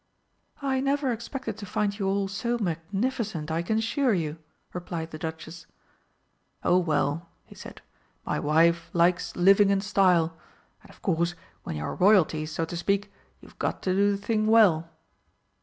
"I never expected to find you all so magnificent, I can assure you," replied the Duchess. "Oh, well," he said, "my wife likes living in style. And of course when you are Royalties, so to speak, you've got to do the thing well."